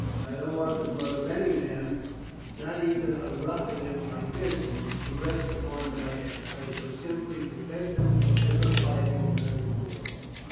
I don't want the blood of any man not even of a ruffian like this to rest upon my head. I shall simply prevent him from ever fighting another duel."